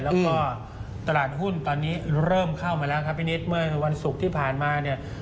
แล้วก็ตลาดหุ้นตอนนี้เริ่มเข้ามาแล้วครับพี่นิดเมื่อวันศุกร์ที่ผ่านมาเนี่ย